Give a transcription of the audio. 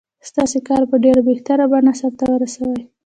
ستاسې کار په ډېره بهتره بڼه سرته ورسوي.